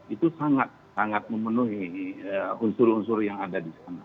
itu sangat sangat memenuhi unsur unsur yang ada di sana